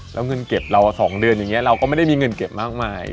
แล้วเงินเก็บเรา๒เดือนอย่างนี้เราก็ไม่ได้มีเงินเก็บมากมาย